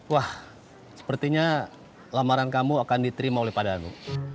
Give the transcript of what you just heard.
wah sepertinya lamaran kamu akan diterima oleh padamu